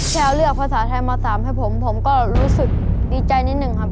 เลือกภาษาไทยม๓ให้ผมผมก็รู้สึกดีใจนิดหนึ่งครับ